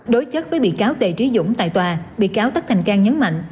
đối chất với bị cáo tề trí dũng tại tòa bị cáo tất thành cang nhấn mạnh